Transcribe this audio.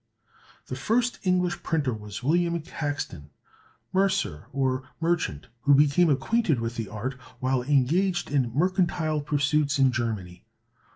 The first English printer was William Caxton, mercer, or merchant, who became acquainted with the art while engaged in mercantile pursuits in Germany.